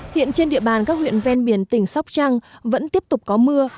hiện trên địa bàn các huyện ven biển tỉnh sóc trăng vẫn tiếp tục có mưa